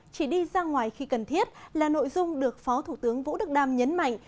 chỉ đi ra ngoài khi cần thiết là nội dung được phó thủ tướng vũ đức đam nhấn mạnh